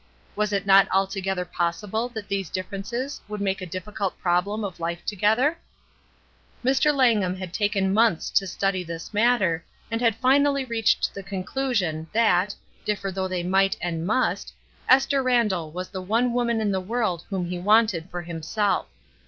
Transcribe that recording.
Was it not altogether possible that these differences would make a difficult problem of life together ? Mr. Langham had taken months to study this matter, and had finally reached the conclusion that, differ though they might and must, Esther Randall was the one woman in the world whom he wanted for himself.